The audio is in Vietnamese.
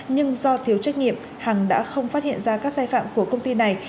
nhưng do thiếu trách nhiệm hằng đã không phát hiện ra các sai phạm của công ty này